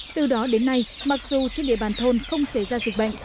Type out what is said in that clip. từ đó đến nay mặc dù trên địa bàn thôn không xảy ra dịch bệnh